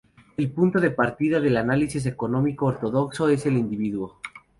El punto de partida del análisis económico ortodoxo es el individuo.